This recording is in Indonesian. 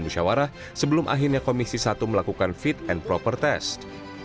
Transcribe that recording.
musyawarah sebelum akhirnya komisi satu melakukan fit and proper test